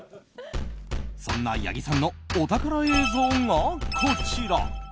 そんな八木さんのお宝映像がこちら。